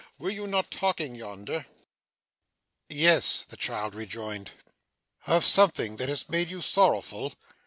Were you not talking yonder?' 'Yes,' the child rejoined. 'Of something that has made you sorrowful?